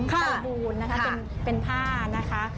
ค่ะนี่มีกาดูนะคะเป็นผ้านะคะ